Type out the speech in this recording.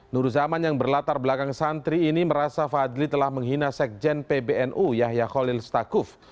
nur zaman yang berlatar belakang santri ini merasa fadli telah menghina sekjen pbnu yahya khalil stakuf